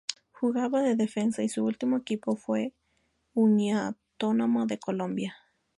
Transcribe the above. Jugaba de defensa y su ultimo equipo fue Uniautónoma de Colombia.